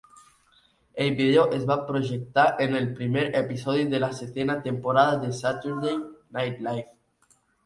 El vídeo es va projectar en el primer episodi de la setena temporada de 'Saturday Night Live'.